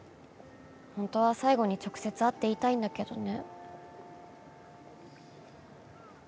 ほんとは最後に直接会って言いたいんだけどね。